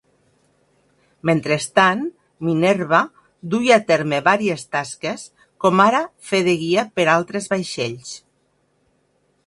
Mentrestant, "Minerva" duia a terme vàries tasques, com ara fer de guia per altres vaixells.